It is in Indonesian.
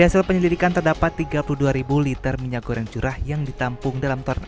hasil penyelidikan terdapat tiga puluh dua liter minyak goreng curah yang ditampung dalam